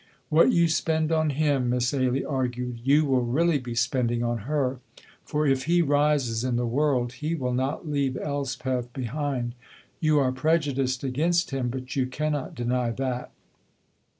"What you spend on him," Miss Ailie argued, "you will really be spending on her, for if he rises in the world he will not leave Elspeth behind. You are prejudiced against him, but you cannot deny that."